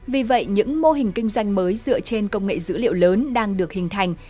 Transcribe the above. vì vậy những mô hình kinh doanh mới dựa trên công nghệ dữ liệu lớn đang được hình thành